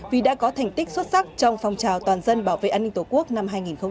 vì đã có thành tích xuất sắc trong phong trào toàn dân bảo vệ an ninh tổ quốc năm hai nghìn hai mươi ba